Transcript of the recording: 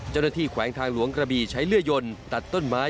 เจ้าหน้าที่แขวงทางหลวงกระบีใช้เลือดยนต์ตัดต้นไม้